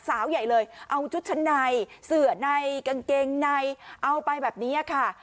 สาวใหญ่เลยเอาชุดชั้นในเสือในกางเกงในเอาไปแบบนี้ค่ะ